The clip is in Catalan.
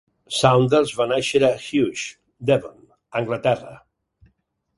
Saunders va néixer a Huish, Devon, Anglaterra.